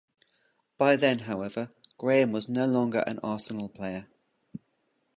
By then, however, Graham was no longer an Arsenal player.